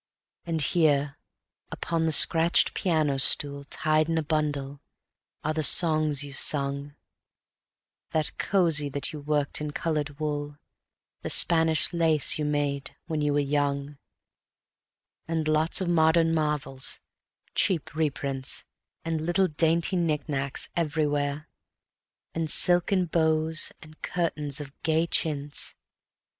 And here upon the scratched piano stool, Tied in a bundle, are the songs you sung; That cozy that you worked in colored wool, The Spanish lace you made when you were young, And lots of modern novels, cheap reprints, And little dainty knick knacks everywhere; And silken bows and curtains of gay chintz